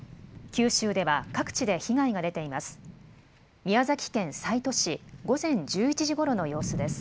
九州では各地で被害が出ています。